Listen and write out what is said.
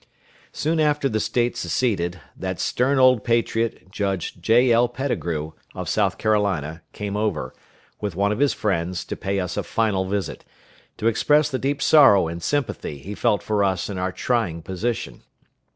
Soon after the State seceded, that stern old patriot, Judge J.L. Petigru, of South Carolina, came over, with one of his friends, to pay us a final visit, to express the deep sorrow and sympathy he felt for us in our trying position.